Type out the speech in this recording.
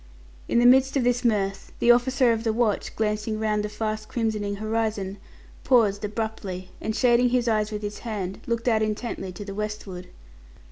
In the midst of this mirth, the officer of the watch, glancing round the fast crimsoning horizon, paused abruptly, and shading his eyes with his hand, looked out intently to the westward.